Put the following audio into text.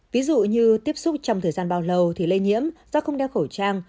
ví dụ như tiếp xúc trong thời gian bao lâu thì lây nhiễm do không đeo khẩu trang